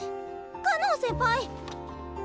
かのん先輩。